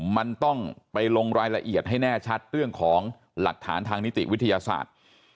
มันต้องไปลงรายละเอียดให้แน่ชัดเรื่องของหลักฐานทางนิติวิทยาศาสตร์